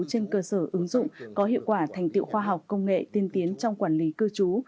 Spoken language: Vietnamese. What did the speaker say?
trên cơ sở ứng dụng có hiệu quả thành tiệu khoa học công nghệ tiên tiến trong quản lý cư trú